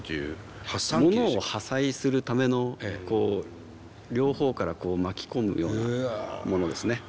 物を破砕するための両方から巻き込むようなものですね。